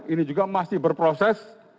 ini juga masih berproses